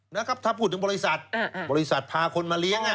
นะครับถ้าพูดถึงบริษัทบริษัทพาคนมาเลี้ยง